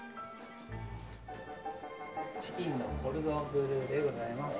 チキンのコルドンブルーでございます。